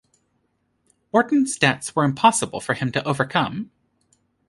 Wharton's debts were impossible for him to overcome.